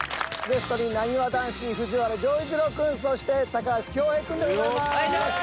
ゲストになにわ男子藤原丈一郎くんそして高橋恭平くんでございます。